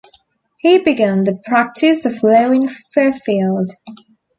He began the practice of law in Fairfield.